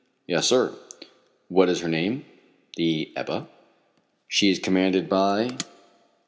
"Yes, sir." "What is her name?" "The Ebba." "She is commanded by?